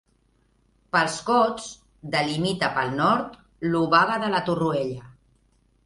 Pels Cots, delimita pel nord l'Obaga de la Torroella.